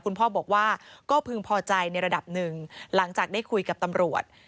คุณพ่อบอกว่าก็พึงพอใจในระดับหนึ่งหลังจากได้คุยกับตำรวจ